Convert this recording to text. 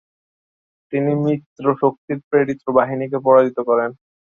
তিনি মিত্রশক্তির প্রেরিত বাহিনীকে পরাজিত করেন।